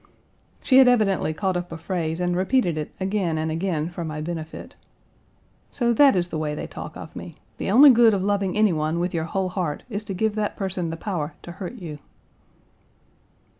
She had evidently caught up a phrase and repeated it again and again for my benefit. So that is the way they talk of me! The only good of loving any one with your whole heart is to give that person the power to hurt you.